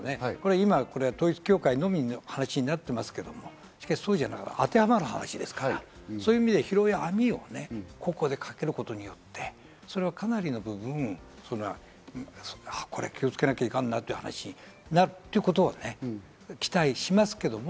今は統一教会のみの話になっていますが、しかしそうじゃなく当てはまる話ですから広い網をかけることによって、かなりの部分、これ、気をつけなきゃいかんなという話になるということは期待しますけれども。